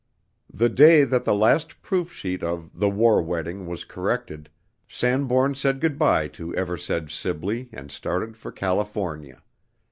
The day that the last proof sheet of "The War Wedding" was corrected, Sanbourne said good by to Eversedge Sibley and started for California.